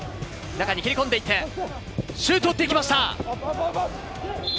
中に蹴り込んでいって、シュートを打っていきました。